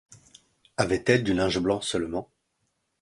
Avait-elle du linge blanc seulement ?